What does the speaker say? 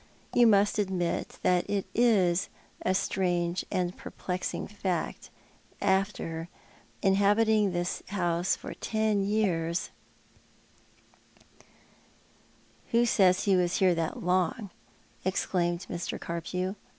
You must admit that it is a strange and perplexing fact that after inhabiting this house for ten years " "Who says that ho was hers so long as that?" exclaimed Mr. Carpew.